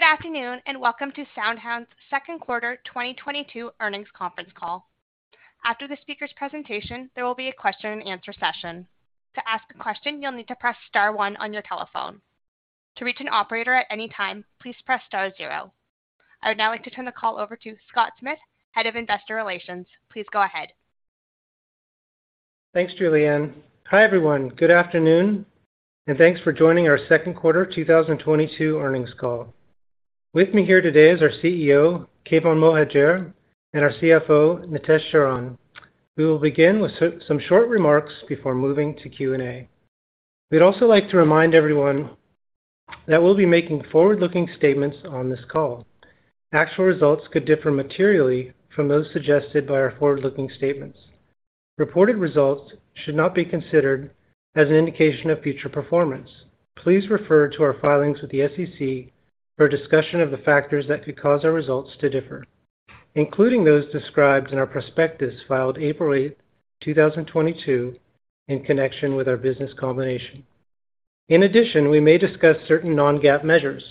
Good afternoon, and welcome to SoundHound's Second Quarter 2022 Earnings Conference Call. After the speaker's presentation, there will be a question and answer session. To ask a question, you'll need to press star one on your telephone. To reach an operator at any time, please press star zero. I would now like to turn the call over to Scott Smith, Head of Investor Relations. Please go ahead. Thanks, Julianne. Hi, everyone. Good afternoon, and thanks for joining our second quarter 2022 earnings call. With me here today is our CEO, Keyvan Mohajer, and our CFO, Nitesh Sharan. We will begin with some short remarks before moving to Q&A. We'd also like to remind everyone that we'll be making forward-looking statements on this call. Actual results could differ materially from those suggested by our forward-looking statements. Reported results should not be considered as an indication of future performance. Please refer to our filings with the SEC for a discussion of the factors that could cause our results to differ, including those described in our prospectus filed April 8, 2022 in connection with our business combination. In addition, we may discuss certain non-GAAP measures.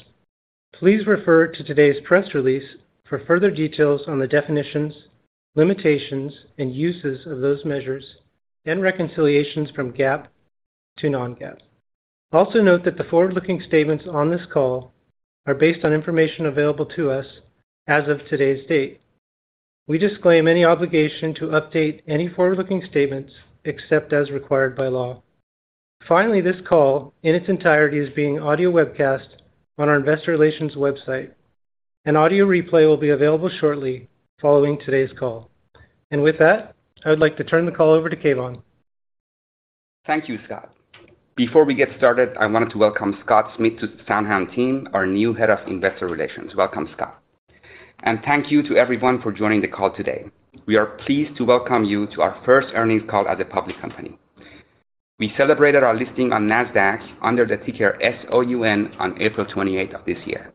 Please refer to today's press release for further details on the definitions, limitations, and uses of those measures and reconciliations from GAAP to non-GAAP. Also note that the forward-looking statements on this call are based on information available to us as of today's date. We disclaim any obligation to update any forward-looking statements except as required by law. Finally, this call in its entirety is being audio webcast on our investor relations website. An audio replay will be available shortly following today's call. With that, I would like to turn the call over to Keyvan. Thank you, Scott. Before we get started, I wanted to welcome Scott Smith to SoundHound team, our new Head of Investor Relations. Welcome, Scott. Thank you to everyone for joining the call today. We are pleased to welcome you to our first earnings call as a public company. We celebrated our listing on Nasdaq under the ticker S-O-U-N on April 28th of this year.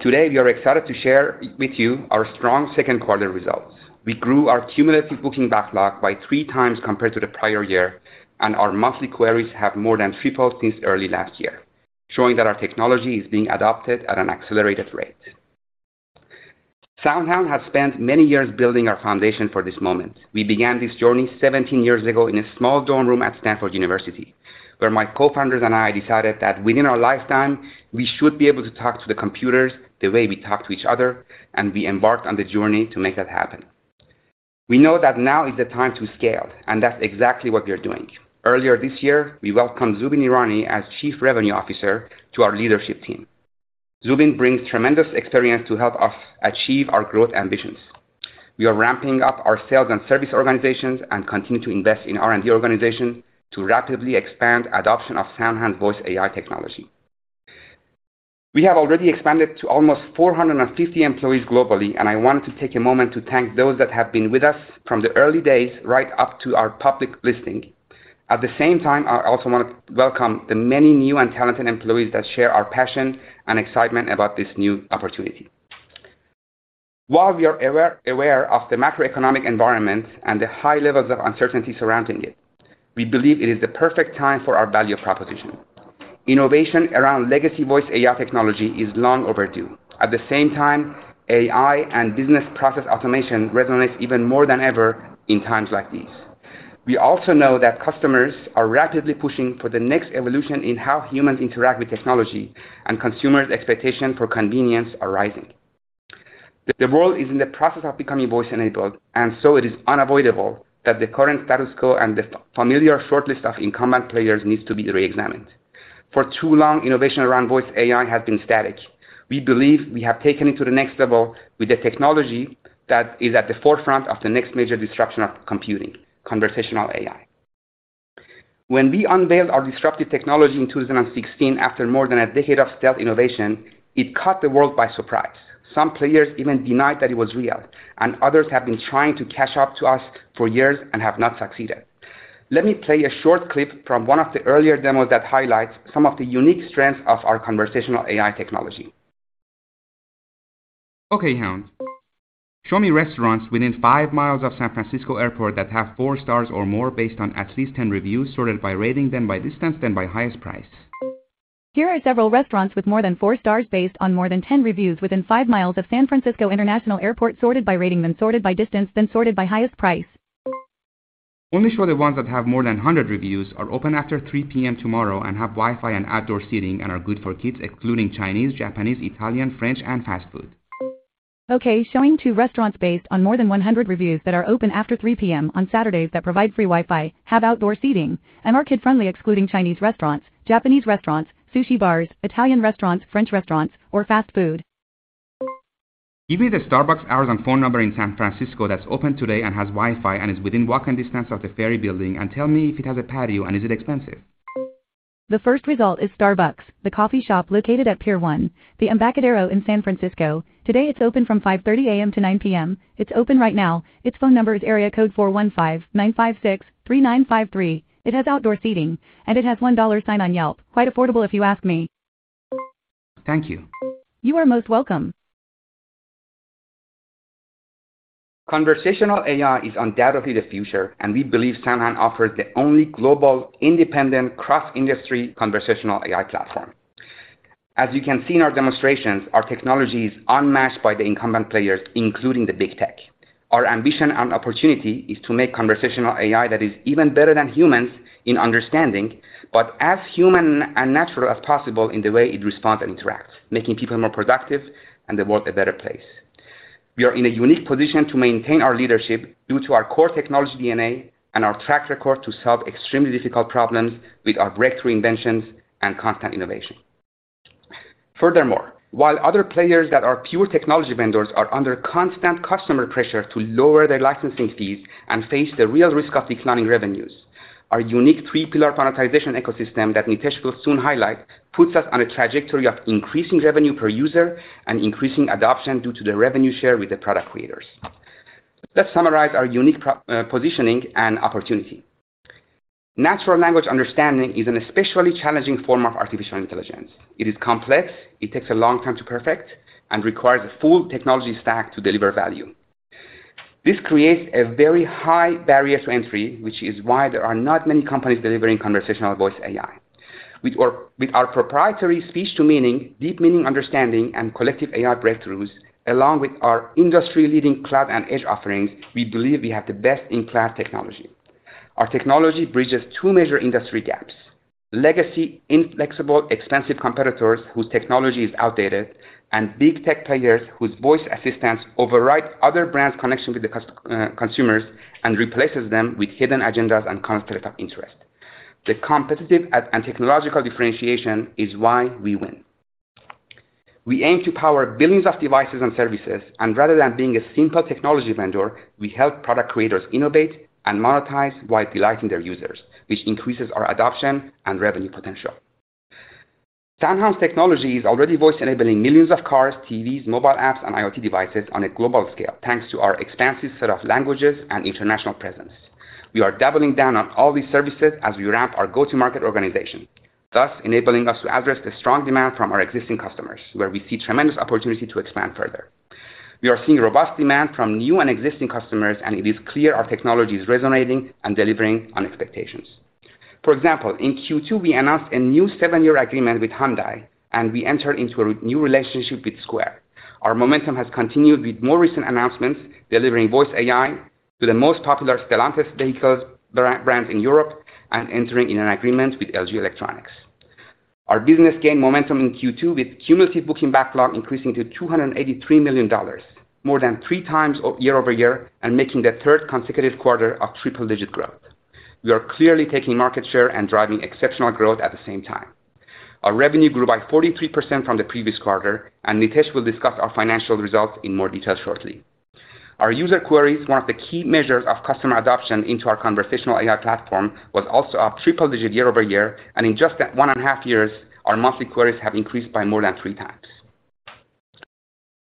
Today, we are excited to share with you our strong second quarter results. We grew our cumulative booking backlog by 3x compared to the prior year, and our monthly queries have more than tripled since early last year, showing that our technology is being adopted at an accelerated rate. SoundHound has spent many years building our foundation for this moment. We began this journey 17 years ago in a small dorm room at Stanford University, where my co-founders and I decided that within our lifetime, we should be able to talk to the computers the way we talk to each other, and we embarked on the journey to make that happen. We know that now is the time to scale, and that's exactly what we are doing. Earlier this year, we welcomed Zubin Irani as Chief Revenue Officer to our leadership team. Zubin brings tremendous experience to help us achieve our growth ambitions. We are ramping up our sales and service organizations and continue to invest in R&D organization to rapidly expand adoption of SoundHound voice AI technology. We have already expanded to almost 450 employees globally, and I wanted to take a moment to thank those that have been with us from the early days right up to our public listing. At the same time, I also wanna welcome the many new and talented employees that share our passion and excitement about this new opportunity. While we are aware of the macroeconomic environment and the high levels of uncertainty surrounding it, we believe it is the perfect time for our value proposition. Innovation around legacy voice AI technology is long overdue. At the same time, AI and business process automation resonates even more than ever in times like these. We also know that customers are rapidly pushing for the next evolution in how humans interact with technology, and consumers' expectation for convenience are rising. The world is in the process of becoming voice-enabled, and so it is unavoidable that the current status quo and the familiar shortlist of incumbent players needs to be reexamined. For too long, innovation around voice AI has been static. We believe we have taken it to the next level with a technology that is at the forefront of the next major disruption of computing, conversational AI. When we unveiled our disruptive technology in 2016 after more than a decade of stealth innovation, it caught the world by surprise. Some players even denied that it was real, and others have been trying to catch up to us for years and have not succeeded. Let me play a short clip from one of the earlier demos that highlights some of the unique strengths of our conversational AI technology. Okay, Hound. Show me restaurants within five miles of San Francisco Airport that have four stars or more based on at least 10 reviews, sorted by rating, then by distance, then by highest price. Here are several restaurants with more than four stars based on more than 10 reviews within five miles of San Francisco International Airport, sorted by rating, then sorted by distance, then sorted by highest price. Only show the ones that have more than 100 reviews, are open after 3 P.M. tomorrow, and have Wi-Fi and outdoor seating, and are good for kids, excluding Chinese, Japanese, Italian, French, and fast food. Okay, showing two restaurants based on more than 100 reviews that are open after 3 P.M. on Saturdays that provide free Wi-Fi, have outdoor seating, and are kid-friendly, excluding Chinese restaurants, Japanese restaurants, sushi bars, Italian restaurants, French restaurants, or fast food. Give me the Starbucks hours and phone number in San Francisco that's open today and has Wi-Fi and is within walking distance of the Ferry Building, and tell me if it has a patio, and is it expensive? The first result is Starbucks, the coffee shop located at Pier One, the Embarcadero in San Francisco. Today, it's open from 5:30 A.M. to 9:00 P.M. It's open right now. Its phone number is area code 415-956-3953. It has outdoor seating, and it has one dollar sign on Yelp. Quite affordable if you ask me. Thank you. You are most welcome. Conversational AI is undoubtedly the future, and we believe SoundHound offers the only global independent cross-industry conversational AI platform. As you can see in our demonstrations, our technology is unmatched by the incumbent players, including the big tech. Our ambition and opportunity is to make conversational AI that is even better than humans in understanding, but as human and natural as possible in the way it responds and interacts, making people more productive and the world a better place. We are in a unique position to maintain our leadership due to our core technology DNA and our track record to solve extremely difficult problems with our breakthrough inventions and constant innovation. Furthermore, while other players that are pure technology vendors are under constant customer pressure to lower their licensing fees and face the real risk of declining revenues, our unique three-pillar monetization ecosystem that Nitesh will soon highlight puts us on a trajectory of increasing revenue per user and increasing adoption due to the revenue share with the product creators. Let's summarize our unique positioning and opportunity. Natural language understanding is an especially challenging form of artificial intelligence. It is complex, it takes a long time to perfect, and requires a full technology stack to deliver value. This creates a very high barrier to entry, which is why there are not many companies delivering conversational voice AI. With our proprietary Speech-to-Meaning, Deep Meaning Understanding, and Collective AI breakthroughs, along with our industry-leading cloud and edge offerings, we believe we have the best-in-class technology. Our technology bridges two major industry gaps: legacy, inflexible, expensive competitors whose technology is outdated, and big tech players whose voice assistants overwrite other brands' connection with the consumers and replaces them with hidden agendas and conflict of interest. The competitive and technological differentiation is why we win. We aim to power billions of devices and services, and rather than being a simple technology vendor, we help product creators innovate and monetize while delighting their users, which increases our adoption and revenue potential. SoundHound's technology is already voice-enabling millions of cars, TVs, mobile apps, and IoT devices on a global scale, thanks to our expansive set of languages and international presence. We are doubling down on all these services as we ramp our go-to-market organization, thus enabling us to address the strong demand from our existing customers, where we see tremendous opportunity to expand further. We are seeing robust demand from new and existing customers, and it is clear our technology is resonating and delivering on expectations. For example, in Q2, we announced a new 7-year agreement with Hyundai, and we entered into a new relationship with Square. Our momentum has continued with more recent announcements, delivering voice AI to the most popular Stellantis vehicles brands in Europe and entering into an agreement with LG Electronics. Our business gained momentum in Q2 with cumulative booking backlog increasing to $283 million, more than 3x year-over-year and making the third consecutive quarter of triple-digit growth. We are clearly taking market share and driving exceptional growth at the same time. Our revenue grew by 43% from the previous quarter, and Nitesh will discuss our financial results in more detail shortly. Our user queries, one of the key measures of customer adoption into our conversational AI platform, was also up triple digits year over year, and in just that 1.5 years, our monthly queries have increased by more than 3x.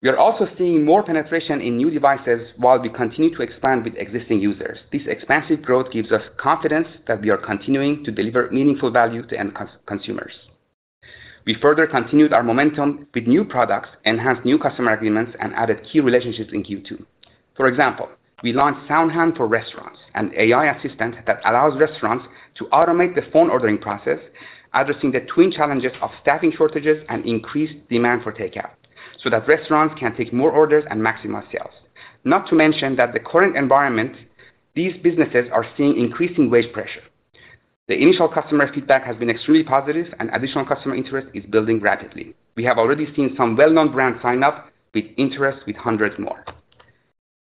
We are also seeing more penetration in new devices while we continue to expand with existing users. This expansive growth gives us confidence that we are continuing to deliver meaningful value to end consumers. We further continued our momentum with new products, enhanced new customer agreements, and added key relationships in Q2. For example, we launched SoundHound for Restaurants, an AI assistant that allows restaurants to automate the phone ordering process, addressing the twin challenges of staffing shortages and increased demand for takeout, so that restaurants can take more orders and maximize sales. Not to mention that the current environment, these businesses are seeing increasing wage pressure. The initial customer feedback has been extremely positive, and additional customer interest is building rapidly. We have already seen some well-known brands sign up with interest with hundreds more.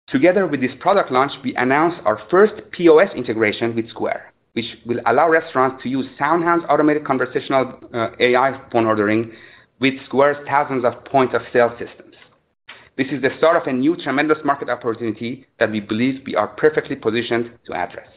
Together with this product launch, we announced our first POS integration with Square, which will allow restaurants to use SoundHound's automated conversational AI phone ordering with Square's thousands of point-of-sale systems. This is the start of a new tremendous market opportunity that we believe we are perfectly positioned to address.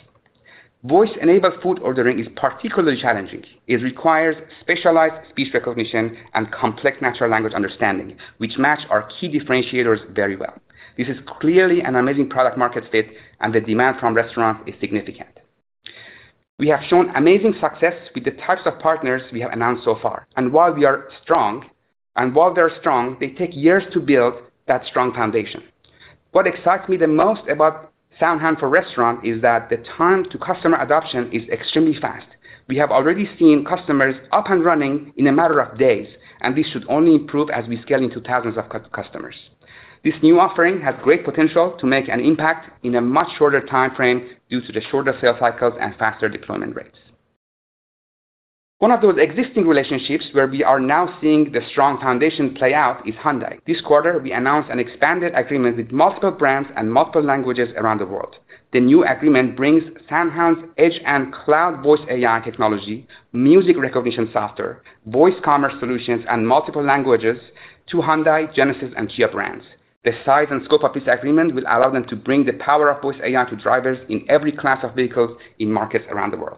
Voice-enabled food ordering is particularly challenging. It requires specialized speech recognition and complex natural language understanding, which match our key differentiators very well. This is clearly an amazing product market fit, and the demand from restaurants is significant. We have shown amazing success with the types of partners we have announced so far, and while they're strong, they take years to build that strong foundation. What excites me the most about SoundHound for Restaurants is that the time to customer adoption is extremely fast. We have already seen customers up and running in a matter of days, and this should only improve as we scale into thousands of customers. This new offering has great potential to make an impact in a much shorter timeframe due to the shorter sales cycles and faster deployment rates. One of those existing relationships where we are now seeing the strong foundation play out is Hyundai. This quarter, we announced an expanded agreement with multiple brands and multiple languages around the world. The new agreement brings SoundHound's edge and cloud voice AI technology, music recognition software, voice commerce solutions, and multiple languages to Hyundai, Genesis, and Kia brands. The size and scope of this agreement will allow them to bring the power of voice AI to drivers in every class of vehicles in markets around the world.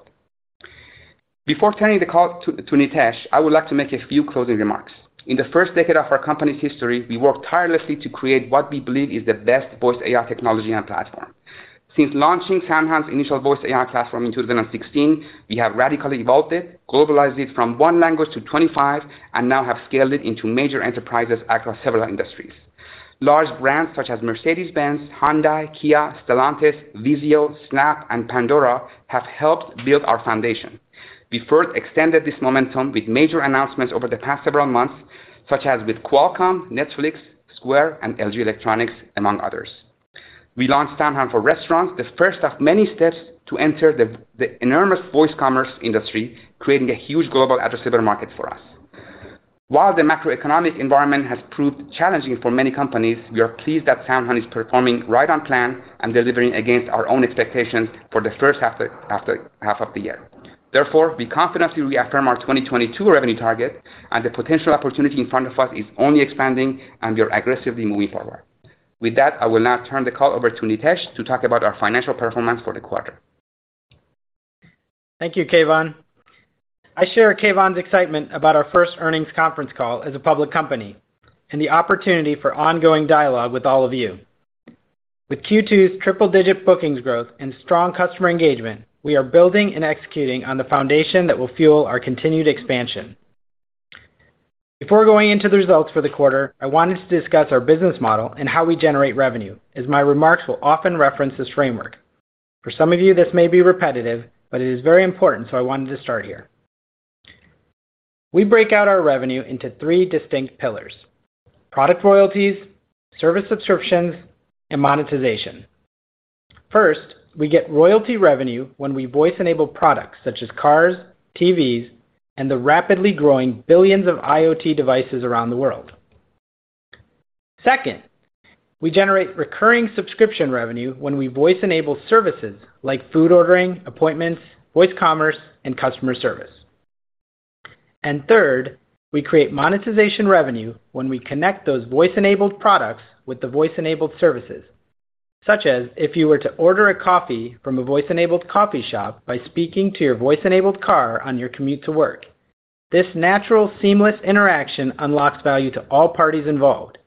Before turning the call to Nitesh, I would like to make a few closing remarks. In the first decade of our company's history, we worked tirelessly to create what we believe is the best voice AI technology and platform. Since launching SoundHound's initial voice AI platform in 2016, we have radically evolved it, globalized it from one language to 25, and now have scaled it into major enterprises across several industries. Large brands such as Mercedes-Benz, Hyundai, Kia, Stellantis, Vizio, Snap, and Pandora have helped build our foundation. We first extended this momentum with major announcements over the past several months, such as with Qualcomm, Netflix, Square, and LG Electronics, among others. We launched SoundHound for Restaurants, the first of many steps to enter the enormous voice commerce industry, creating a huge global addressable market for us. While the macroeconomic environment has proved challenging for many companies, we are pleased that SoundHound is performing right on plan and delivering against our own expectations for the first half of the year. Therefore, we confidently reaffirm our 2022 revenue target, and the potential opportunity in front of us is only expanding, and we are aggressively moving forward. With that, I will now turn the call over to Nitesh to talk about our financial performance for the quarter. Thank you, Keyvan. I share Keyvan's excitement about our first earnings conference call as a public company and the opportunity for ongoing dialogue with all of you. With Q2's triple-digit bookings growth and strong customer engagement, we are building and executing on the foundation that will fuel our continued expansion. Before going into the results for the quarter, I wanted to discuss our business model and how we generate revenue, as my remarks will often reference this framework. For some of you, this may be repetitive, but it is very important, so I wanted to start here. We break out our revenue into three distinct pillars: product royalties, service subscriptions, and monetization. First, we get royalty revenue when we voice-enable products such as cars, TVs, and the rapidly growing billions of IoT devices around the world. Second, we generate recurring subscription revenue when we voice-enable services like food ordering, appointments, voice commerce, and customer service. Third, we create monetization revenue when we connect those voice-enabled products with the voice-enabled services, such as if you were to order a coffee from a voice-enabled coffee shop by speaking to your voice-enabled car on your commute to work. This natural, seamless interaction unlocks value to all parties involved.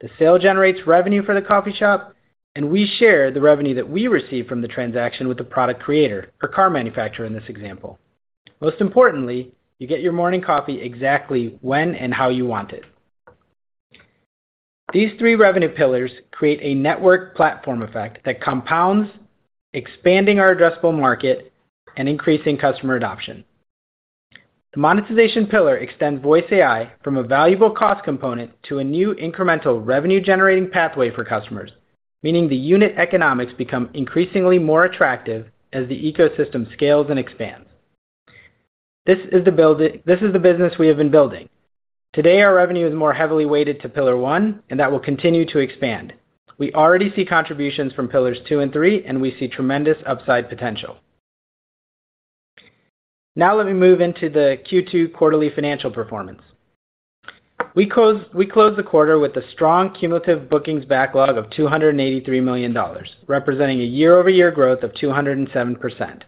The sale generates revenue for the coffee shop, and we share the revenue that we receive from the transaction with the product creator or car manufacturer in this example. Most importantly, you get your morning coffee exactly when and how you want it. These three revenue pillars create a network platform effect that compounds, expanding our addressable market and increasing customer adoption. The monetization pillar extends voice AI from a valuable cost component to a new incremental revenue-generating pathway for customers, meaning the unit economics become increasingly more attractive as the ecosystem scales and expands. This is the business we have been building. Today, our revenue is more heavily weighted to pillar one, and that will continue to expand. We already see contributions from pillars two and three, and we see tremendous upside potential. Now let me move into the Q2 quarterly financial performance. We closed the quarter with a strong cumulative bookings backlog of $283 million, representing a year-over-year growth of 207%.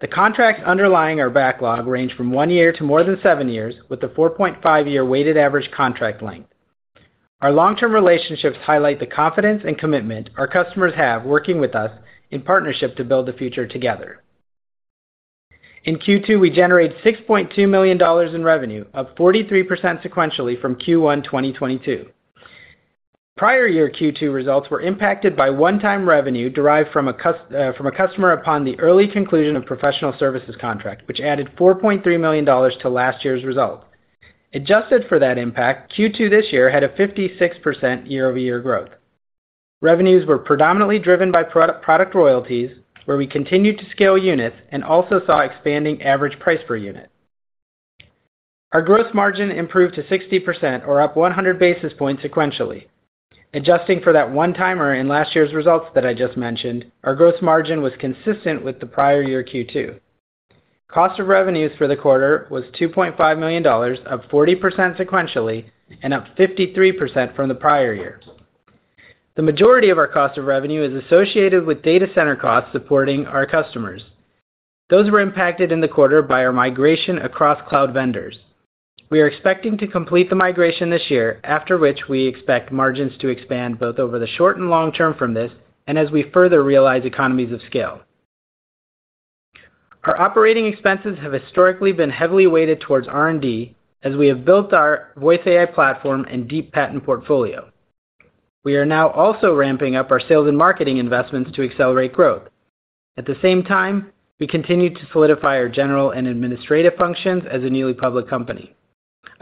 The contracts underlying our backlog range from one year to more than seven years, with a 4.5-year weighted average contract length. Our long-term relationships highlight the confidence and commitment our customers have working with us in partnership to build the future together. In Q2, we generated $6.2 million in revenue, up 43% sequentially from Q1 2022. Prior year Q2 results were impacted by one-time revenue derived from a customer upon the early conclusion of professional services contract, which added $4.3 million to last year's result. Adjusted for that impact, Q2 this year had a 56% year-over-year growth. Revenues were predominantly driven by product royalties, where we continued to scale units and also saw expanding average price per unit. Our gross margin improved to 60% or up 100 basis points sequentially. Adjusting for that one-timer in last year's results that I just mentioned, our gross margin was consistent with the prior year Q2. Cost of revenues for the quarter was $2.5 million, up 40% sequentially and up 53% from the prior year. The majority of our cost of revenue is associated with data center costs supporting our customers. Those were impacted in the quarter by our migration across cloud vendors. We are expecting to complete the migration this year, after which we expect margins to expand both over the short and long term from this and as we further realize economies of scale. Our operating expenses have historically been heavily weighted towards R&D as we have built our voice AI platform and deep patent portfolio. We are now also ramping up our sales and marketing investments to accelerate growth. At the same time, we continue to solidify our general and administrative functions as a newly public company.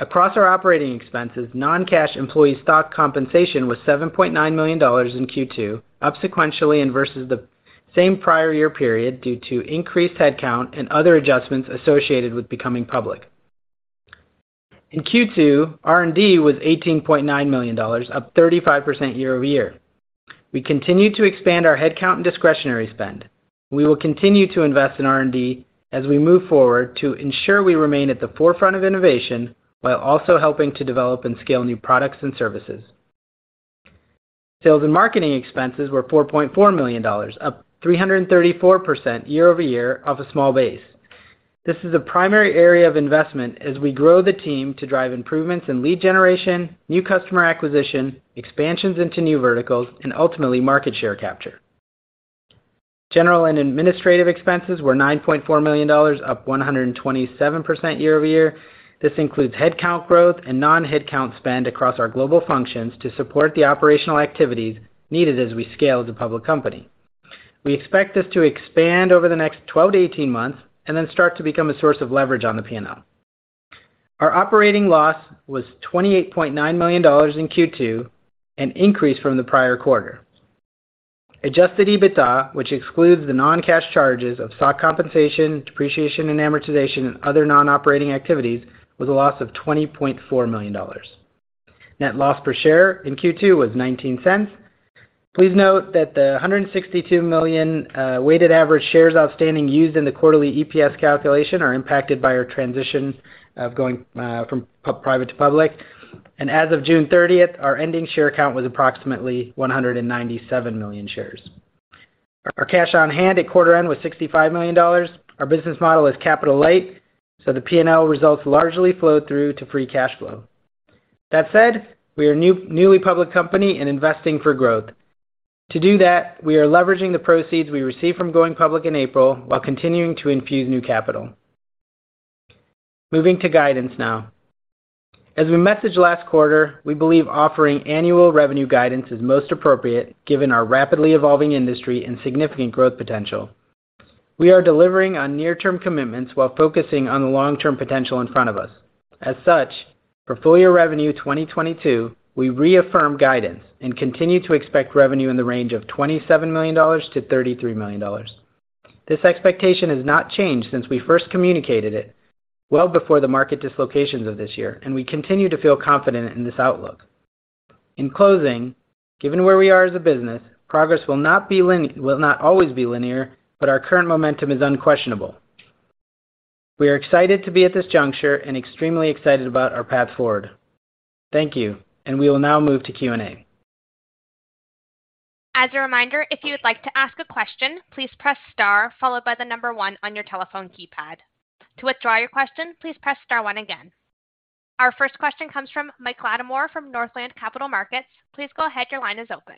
Across our operating expenses, non-cash employee stock compensation was $7.9 million in Q2, up sequentially and versus the same prior year period due to increased headcount and other adjustments associated with becoming public. In Q2, R&D was $18.9 million, up 35% year-over-year. We continue to expand our headcount and discretionary spend. We will continue to invest in R&D as we move forward to ensure we remain at the forefront of innovation while also helping to develop and scale new products and services. Sales and marketing expenses were $4.4 million, up 334% year-over-year off a small base. This is a primary area of investment as we grow the team to drive improvements in lead generation, new customer acquisition, expansions into new verticals, and ultimately market share capture. General and administrative expenses were $9.4 million, up 127% year-over-year. This includes headcount growth and non-headcount spend across our global functions to support the operational activities needed as we scale as a public company. We expect this to expand over the next 12-18 months and then start to become a source of leverage on the P&L. Our operating loss was $28.9 million in Q2, an increase from the prior quarter. Adjusted EBITDA, which excludes the non-cash charges of stock compensation, depreciation and amortization and other non-operating activities, was a loss of $20.4 million. Net loss per share in Q2 was $0.19. Please note that the 162 million weighted average shares outstanding used in the quarterly EPS calculation are impacted by our transition of going from private to public. As of June 30th, our ending share count was approximately 197 million shares. Our cash on hand at quarter end was $65 million. Our business model is capital light, so the P&L results largely flow through to free cash flow. That said, we are newly public company and investing for growth. To do that, we are leveraging the proceeds we received from going public in April while continuing to infuse new capital. Moving to guidance now. As we messaged last quarter, we believe offering annual revenue guidance is most appropriate given our rapidly evolving industry and significant growth potential. We are delivering on near-term commitments while focusing on the long-term potential in front of us. As such, for full year revenue 2022, we reaffirm guidance and continue to expect revenue in the range of $27 million-$33 million. This expectation has not changed since we first communicated it well before the market dislocations of this year, and we continue to feel confident in this outlook. In closing, given where we are as a business, progress will not always be linear, but our current momentum is unquestionable. We are excited to be at this juncture and extremely excited about our path forward. Thank you, and we will now move to Q&A. As a reminder, if you would like to ask a question, please press star followed by the number one on your telephone keypad. To withdraw your question, please press star one again. Our first question comes from Mike Latimore from Northland Capital Markets. Please go ahead, your line is open.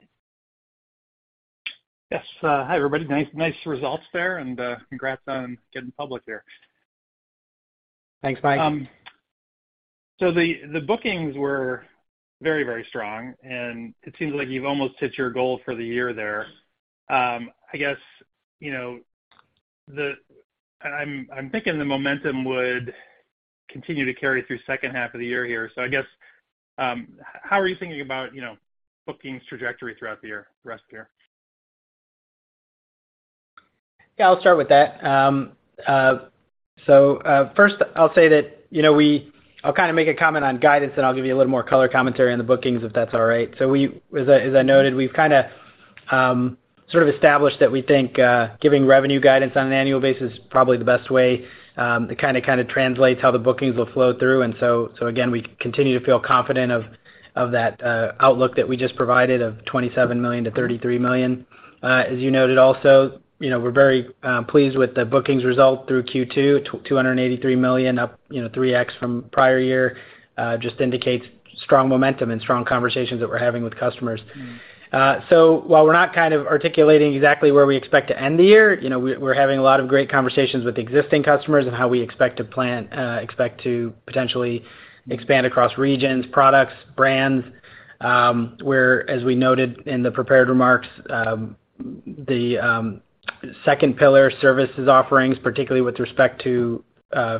Yes. Hi, everybody. Nice results there and, congrats on getting public here. Thanks, Mike. The bookings were very, very strong, and it seems like you've almost hit your goal for the year there. I guess, you know, I'm thinking the momentum would continue to carry through second half of the year here. I guess, how are you thinking about, you know, bookings trajectory throughout the year, rest of the year? Yeah, I'll start with that. First I'll say that, you know, I'll kinda make a comment on guidance, then I'll give you a little more color commentary on the bookings, if that's all right. As I noted, we've kinda sort of established that we think giving revenue guidance on an annual basis is probably the best way to kinda translate how the bookings will flow through. Again, we continue to feel confident of that outlook that we just provided of $27 million-$33 million. As you noted also, you know, we're very pleased with the bookings result through Q2, $283 million up, you know, 3x from prior year. Just indicates strong momentum and strong conversations that we're having with customers. While we're not kind of articulating exactly where we expect to end the year, you know, we're having a lot of great conversations with existing customers on how we expect to potentially expand across regions, products, brands. Whereas we noted in the prepared remarks, the second pillar services offerings, particularly with respect to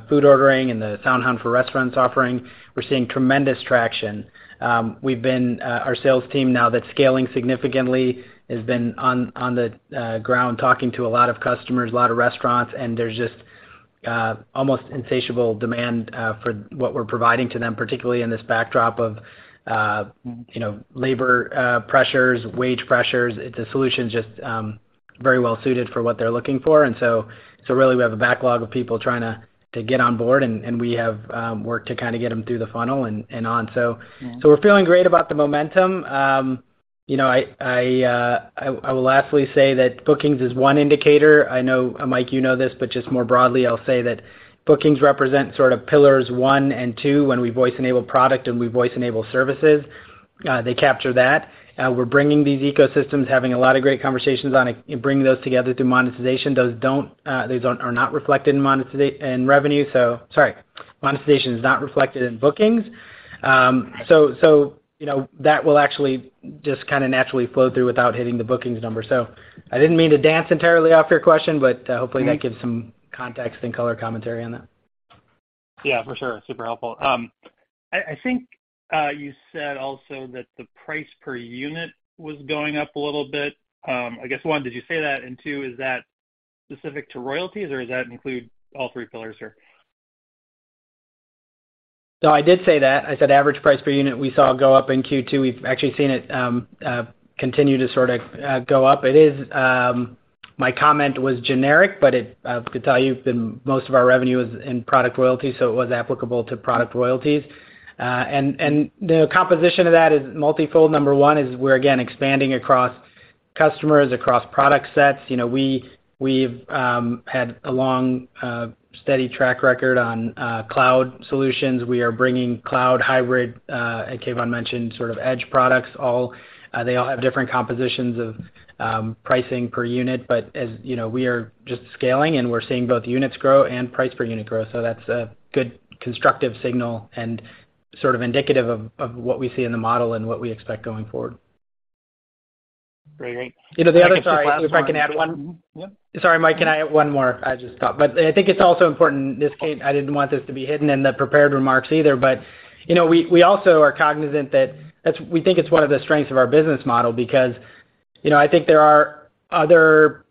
food ordering and the SoundHound for Restaurants offering, we're seeing tremendous traction. Our sales team now that's scaling significantly has been on the ground talking to a lot of customers, a lot of restaurants, and there's just almost insatiable demand for what we're providing to them, particularly in this backdrop of you know, labor pressures, wage pressures. It's a solution just very well suited for what they're looking for. Really, we have a backlog of people trying to get on board, and we have work to kinda get them through the funnel and on. We're feeling great about the momentum. You know, I will lastly say that bookings is one indicator. I know, Mike, you know this, but just more broadly, I'll say that bookings represent sort of pillars one and two when we voice-enable product and we voice-enable services. They capture that. We're bringing these ecosystems, having a lot of great conversations on it, and bringing those together through monetization. Those are not reflected in monetization in revenue, so. Sorry, monetization is not reflected in bookings. So, you know, that will actually just kinda naturally flow through without hitting the bookings number. I didn't mean to dance entirely off your question, but hopefully that gives some context and color commentary on that. Yeah, for sure. Super helpful. I think you said also that the price per unit was going up a little bit. I guess, one, did you say that? Two, is that specific to royalties or does that include all three pillars here? I did say that. I said average price per unit we saw go up in Q2. We've actually seen it continue to sort of go up. That is, my comment was generic, but I could tell you, but most of our revenue is in product royalties, so it was applicable to product royalties. And the composition of that is multifold. Number one is we're again expanding across customers across product sets. You know, we've had a long steady track record on cloud solutions. We are bringing cloud, hybrid, and Keyvan mentioned sort of edge products. They all have different compositions of pricing per unit. But as you know, we are just scaling, and we're seeing both units grow and price per unit growth. That's a good constructive signal and sort of indicative of what we see in the model and what we expect going forward. Great. You know, sorry, if I can add one- Yeah. Sorry, Mike, can I add one more? I just thought. I think it's also important in this case. I didn't want this to be hidden in the prepared remarks either, but, you know, we also are cognizant that we think it's one of the strengths of our business model because, you know, I think there are other,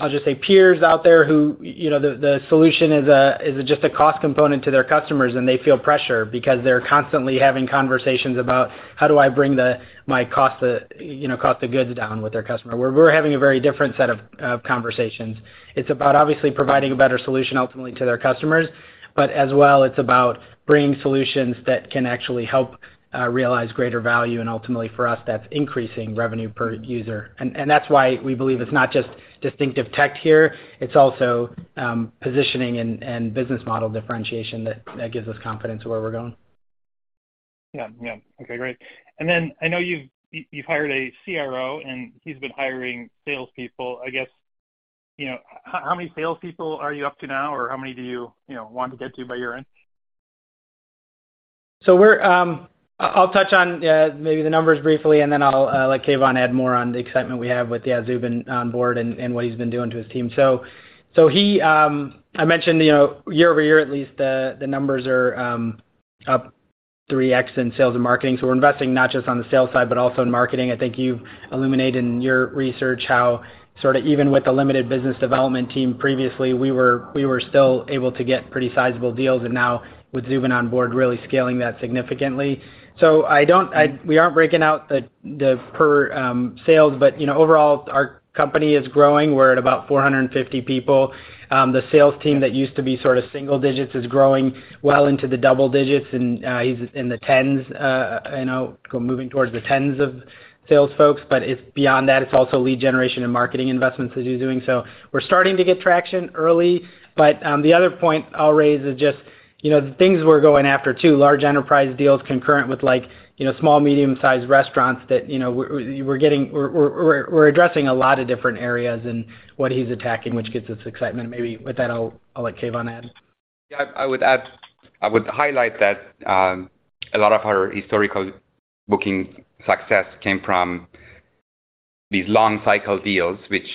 I'll just say peers out there who, you know, the solution is just a cost component to their customers, and they feel pressure because they're constantly having conversations about how do I bring my cost of, you know, cost of goods down with their customer. We're having a very different set of conversations. It's about obviously providing a better solution ultimately to their customers. As well, it's about bringing solutions that can actually help realize greater value. Ultimately, for us, that's increasing revenue per user. That's why we believe it's not just distinctive tech here, it's also positioning and business model differentiation that gives us confidence where we're going. Yeah. Yeah. Okay, great. I know you've hired a CRO, and he's been hiring salespeople. I guess, you know, how many salespeople are you up to now? Or how many do you know, want to get to by year-end? I'll touch on maybe the numbers briefly, and then I'll let Keyvan add more on the excitement we have with, yeah, Zubin onboard and what he's been doing to his team. I mentioned, you know, year-over-year at least the numbers are up 3x in sales and marketing. We're investing not just on the sales side, but also in marketing. I think you illuminate in your research how sort of even with the limited business development team previously, we were still able to get pretty sizable deals. Now with Zubin on board, really scaling that significantly. We aren't breaking out the per sales. You know, overall, our company is growing. We're at about 450 people. The sales team that used to be sort of single digits is growing well into the double digits, and he's in the 10s, you know, moving towards the 10s of sales folks. It's beyond that, it's also lead generation and marketing investments that he's doing. We're starting to get traction early. The other point I'll raise is just, you know, the things we're going after too, large enterprise deals concurrent with like, you know, small, medium sized restaurants that, you know, we're addressing a lot of different areas in what he's attacking, which gets us excitement. Maybe with that, I'll let Keyvan add. Yeah. I would highlight that a lot of our historical booking success came from these long cycle deals, which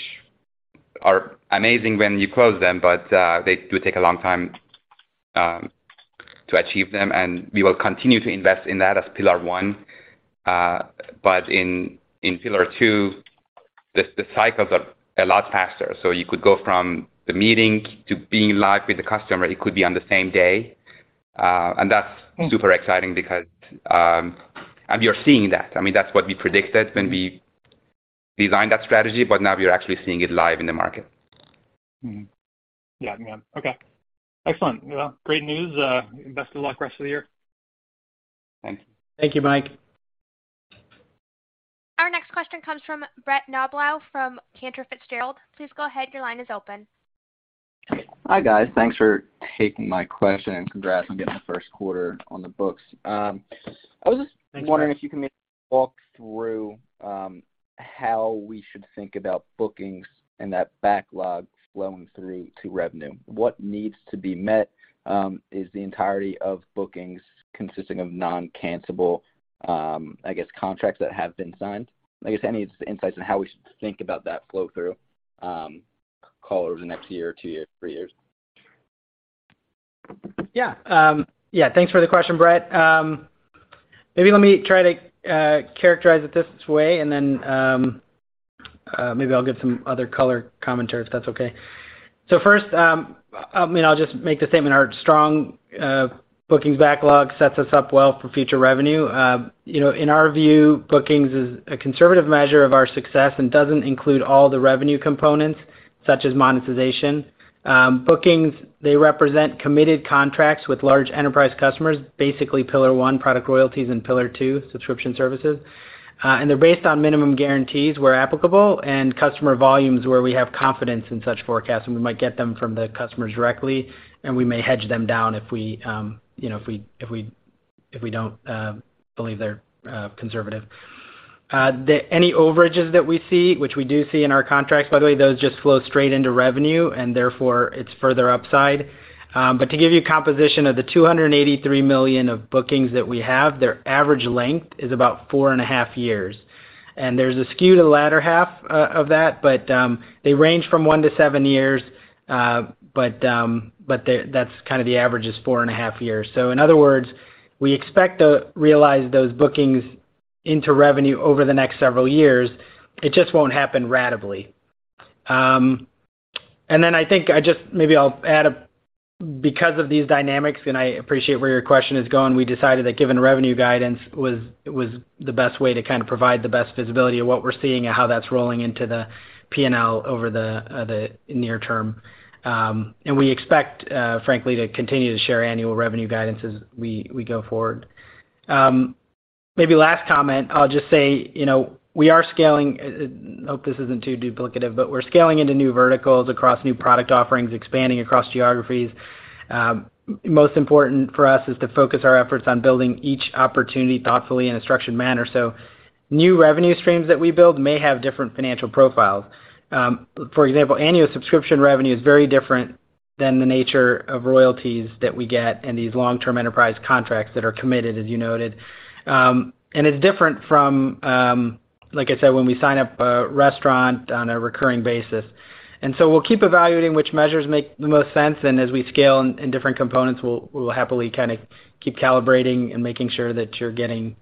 are amazing when you close them, but they do take a long time to achieve them, and we will continue to invest in that as pillar one. In pillar two, the cycles are a lot faster. You could go from the meeting to being live with the customer. It could be on the same day. That's super exciting because we are seeing that. I mean, that's what we predicted when we designed that strategy, but now we are actually seeing it live in the market. Mm-hmm. Yeah. Yeah. Okay. Excellent. Well, great news. Best of luck rest of the year. Thanks. Thank you, Mike. Our next question comes from Brett Knoblauch from Cantor Fitzgerald. Please go ahead. Your line is open. Okay. Hi, guys. Thanks for taking my question, and congrats on getting the first quarter on the books. I was just. Thanks, Brett. Wondering if you can maybe walk through how we should think about bookings and that backlog flowing through to revenue. What needs to be met is the entirety of bookings consisting of non-cancelable I guess contracts that have been signed? I guess any insights on how we should think about that flow through call it over the next year or two years, three years. Yeah, thanks for the question, Brett. Maybe let me try to characterize it this way and then maybe I'll give some other color commentary if that's okay. First, I mean, I'll just make the statement. Our strong bookings backlog sets us up well for future revenue. You know, in our view, bookings is a conservative measure of our success and doesn't include all the revenue components such as monetization. Bookings, they represent committed contracts with large enterprise customers, basically pillar one, product royalties, and pillar two, subscription services. They're based on minimum guarantees where applicable and customer volumes where we have confidence in such forecasts, and we might get them from the customers directly, and we may hedge them down if we, you know, if we don't believe they're conservative. Any overages that we see, which we do see in our contracts, by the way, those just flow straight into revenue, and therefore it's further upside. To give you a composition of the $283 million of bookings that we have, their average length is about 4.5 years. There's a skew to the latter half of that, but they range from one to seven years. That's kinda the average is 4.5 years. In other words, we expect to realize those bookings into revenue over the next several years. It just won't happen ratably. Maybe I'll add a Because of these dynamics, and I appreciate where your question is going, we decided that giving revenue guidance was the best way to kind of provide the best visibility of what we're seeing and how that's rolling into the P&L over the near term. We expect, frankly, to continue to share annual revenue guidance as we go forward. Maybe last comment, I'll just say, you know, we are scaling. Hope this isn't too duplicative, but we're scaling into new verticals across new product offerings, expanding across geographies. Most important for us is to focus our efforts on building each opportunity thoughtfully in a structured manner. New revenue streams that we build may have different financial profiles. For example, annual subscription revenue is very different than the nature of royalties that we get in these long-term enterprise contracts that are committed, as you noted. It's different from, like I said, when we sign up a restaurant on a recurring basis. We'll keep evaluating which measures make the most sense, and as we scale in different components, we will happily kind of keep calibrating and making sure that you're getting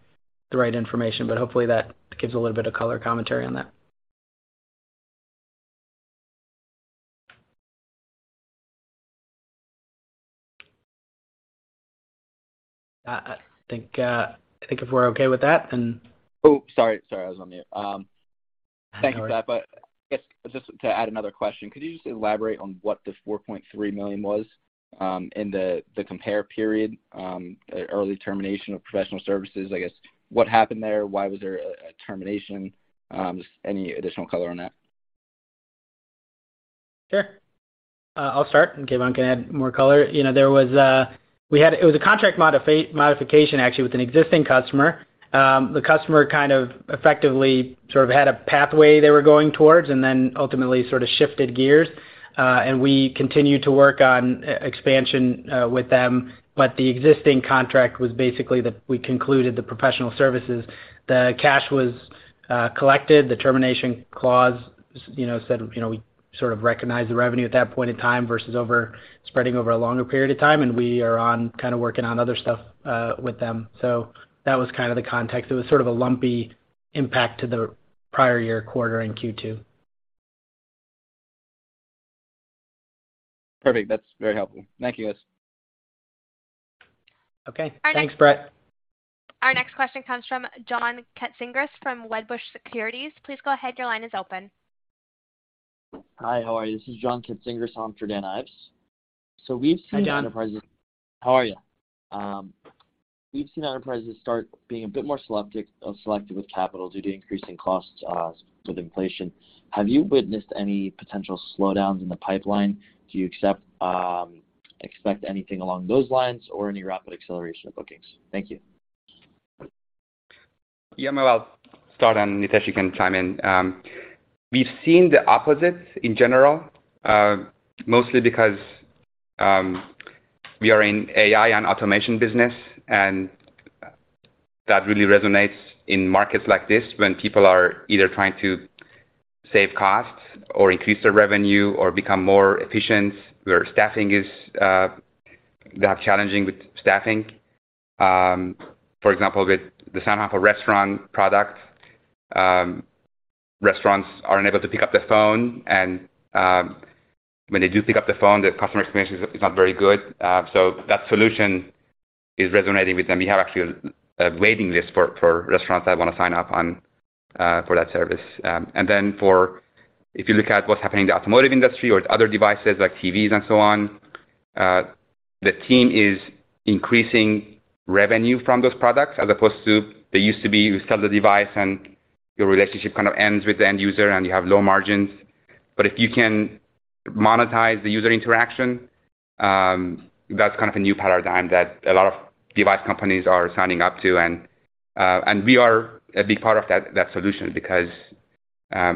the right information. Hopefully that gives a little bit of color commentary on that. I think if we're okay with that, then- Oh, sorry. Sorry, I was on mute. Thank you for that. I guess just to add another question, could you just elaborate on what the $4.3 million was in the comparable period early termination of professional services, I guess? What happened there? Why was there a termination? Just any additional color on that. Sure. I'll start, and Keyvan can add more color. You know, there was. It was a contract modification actually with an existing customer. The customer kind of effectively sort of had a pathway they were going towards and then ultimately sort of shifted gears. We continued to work on expansion with them, but the existing contract was basically, we concluded the professional services. The cash was collected, the termination clause, you know, said, you know, we sort of recognized the revenue at that point in time versus over spreading over a longer period of time, and we are on, kind of working on other stuff with them. That was kind of the context. It was sort of a lumpy impact to the prior year quarter in Q2. Perfect. That's very helpful. Thank you, guys. Okay. Thanks, Brett. Our next question comes from John Katsingris from Wedbush Securities. Please go ahead, your line is open. Hi, how are you? This is John Katsingris from Wedbush Securities. We've seen enterprises. Hi, John. How are you? We've seen enterprises start being a bit more selective with capital due to increasing costs with inflation. Have you witnessed any potential slowdowns in the pipeline? Do you expect anything along those lines or any rapid acceleration of bookings? Thank you. Yeah, I mean, I'll start, and Nitesh, you can chime in. We've seen the opposite in general, mostly because we are in AI and automation business, and that really resonates in markets like this when people are either trying to save costs or increase their revenue or become more efficient where staffing is, they have challenges with staffing. For example, with the SoundHound for Restaurants product, restaurants are unable to pick up the phone and, when they do pick up the phone, the customer experience is not very good. So that solution is resonating with them. We have actually a waiting list for restaurants that wanna sign up on, for that service. If you look at what's happening in the automotive industry or other devices like TVs and so on, the team is increasing revenue from those products as opposed to they used to be you sell the device and your relationship kind of ends with the end user and you have low margins. If you can monetize the user interaction, that's kind of a new paradigm that a lot of device companies are signing up to. We are a big part of that solution because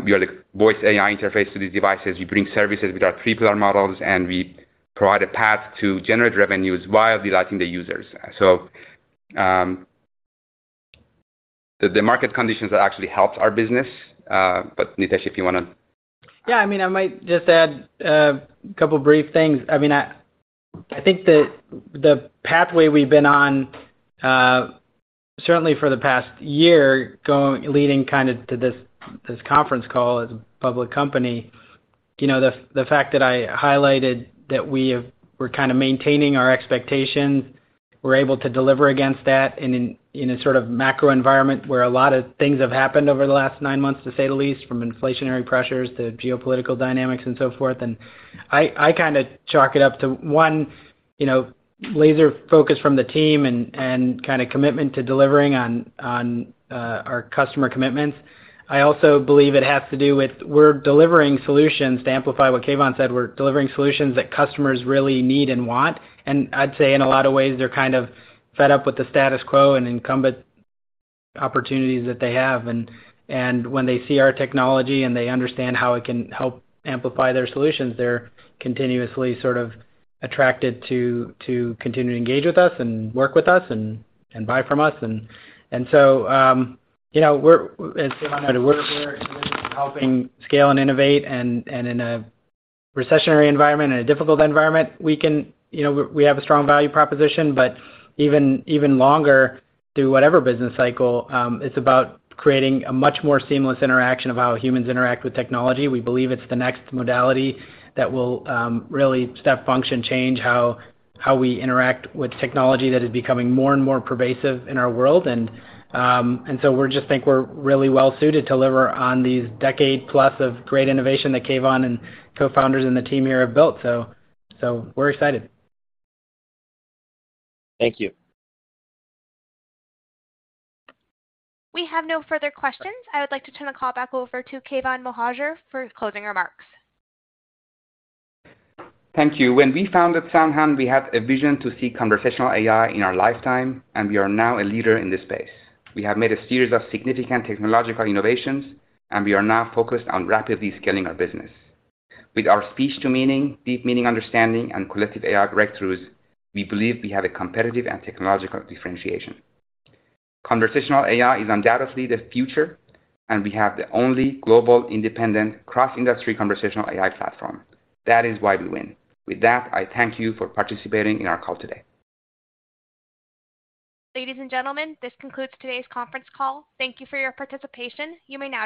we are the voice AI interface to these devices. We bring services with our free trial models, and we provide a path to generate revenues while delighting the users. The market conditions have actually helped our business. Nitesh, if you wanna... Yeah, I mean, I might just add a couple of brief things. I mean, I think the pathway we've been on, certainly for the past year leading kind of to this conference call as a public company. You know, the fact that I highlighted that we're kind of maintaining our expectations, we're able to deliver against that in a sort of macro environment where a lot of things have happened over the last nine months, to say the least, from inflationary pressures to geopolitical dynamics and so forth. I kinda chalk it up to, one, you know, laser focus from the team and kinda commitment to delivering on our customer commitments. I also believe it has to do with we're delivering solutions to amplify what Keyvan said. We're delivering solutions that customers really need and want. I'd say in a lot of ways, they're kind of fed up with the status quo and incumbent opportunities that they have. When they see our technology and they understand how it can help amplify their solutions, they're continuously sort of attracted to continue to engage with us and work with us and buy from us. You know, we're, as Keyvan noted, just helping scale and innovate and in a recessionary environment and a difficult environment, we can, you know, have a strong value proposition. Even longer through whatever business cycle, it's about creating a much more seamless interaction of how humans interact with technology. We believe it's the next modality that will really step function change how we interact with technology that is becoming more and more pervasive in our world. We just think we're really well suited to deliver on these decade plus of great innovation that Keyvan and co-founders and the team here have built. We're excited. Thank you. We have no further questions. I would like to turn the call back over to Keyvan Mohajer for closing remarks. Thank you. When we founded SoundHound, we had a vision to see conversational AI in our lifetime, and we are now a leader in this space. We have made a series of significant technological innovations, and we are now focused on rapidly scaling our business. With our Speech-to-Meaning, Deep Meaning Understanding, and Collective AI breakthroughs, we believe we have a competitive and technological differentiation. Conversational AI is undoubtedly the future, and we have the only global independent cross-industry conversational AI platform. That is why we win. With that, I thank you for participating in our call today. Ladies and gentlemen, this concludes today's conference call. Thank you for your participation. You may now disconnect.